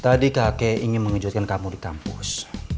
tadi kakek ingin mengejutkan kamu di kampus